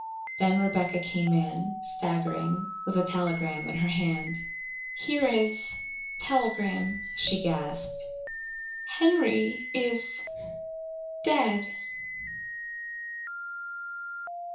Then Rebecca came in, staggering, with a telegram in her hand. "Here is a telegram," she gasped. "Henry is dead."